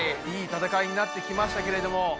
いい戦いになってきましたけれども。